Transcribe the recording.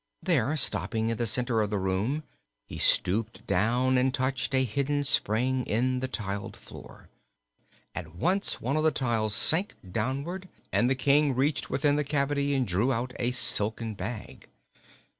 There, stopping in the center of the room, he stooped down and touched a hidden spring in the tiled floor. At once one of the tiles sank downward and the King reached within the cavity and drew out a silken bag.